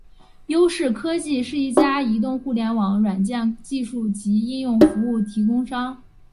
优视科技是一家移动互联网软件技术及应用服务提供商。